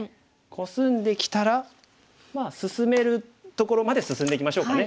コスんできたらまあ進めるところまで進んでいきましょうかね。